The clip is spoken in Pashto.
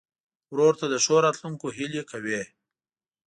ورور ته د ښو راتلونکو هیلې کوې.